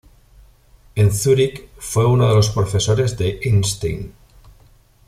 En Zúrich fue uno de los profesores de Einstein.